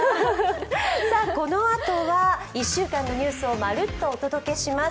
このあとは１週間のニュースをまるっとお届けします。